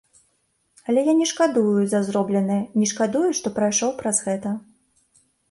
Але я не шкадуе за зробленае, не шкадую, што прайшоў праз гэта.